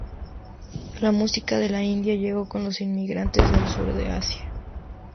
La Música de la India llegó con los inmigrantes del sur de Asia.